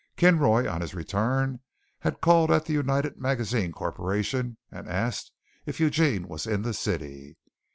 Kinroy, on his return, had called at the United Magazines Corporation and asked if Eugene was in the city.